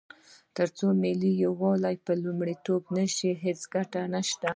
تر څو ملي یووالی لومړیتوب نه شي، هیڅ ګټه نشته.